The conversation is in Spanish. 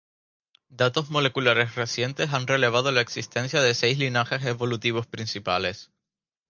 Datos moleculares recientes han revelado la existencia de seis linajes evolutivos principales.